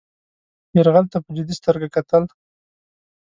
یرغل ته په جدي سترګه کتل.